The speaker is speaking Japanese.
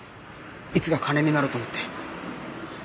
いつか金になると思って。